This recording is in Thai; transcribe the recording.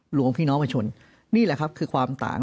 หลวงพี่น้องประชาชนนี่แหละครับคือความต่าง